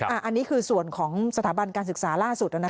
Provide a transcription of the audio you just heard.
อันนี้คือส่วนของสถาบันการศึกษาล่าสุด